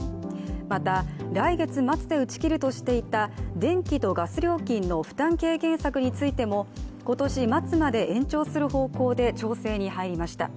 また来月末で打ち切るとしていた電気とガス料金の負担軽減策についても今年末まで延長する方向で調整に入りました。